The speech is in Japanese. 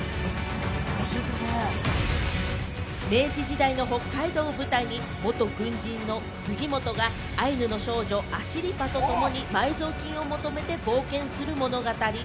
明治時代の北海道を舞台に、元軍人の杉元がアイヌの少女・アシリパと共に埋蔵金を求めて冒険する物語。